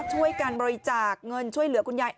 ช่วยการบริจาคเงินช่วยเหลือคุณยาย